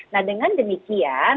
nah dengan demikian